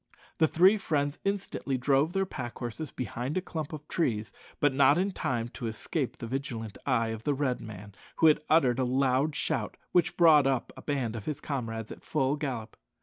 The three friends instantly drove their pack horses behind a clump of trees; but not in time to escape the vigilant eye of the Red man, who uttered a loud shout, which brought up a band of his comrades at full gallop.